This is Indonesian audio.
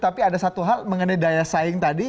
tapi ada satu hal mengenai daya saing tadi